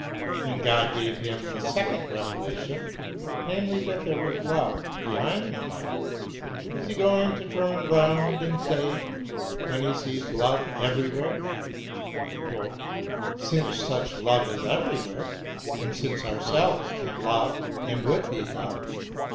When God gave him the second revelation — namely, that there was love behind the might — ^is he going to turn round and say, when he sees love every where : Since such love is everywhere. And since ourselves can love and would be loved.